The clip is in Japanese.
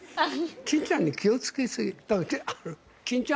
欽ちゃんに気をつけすぎ。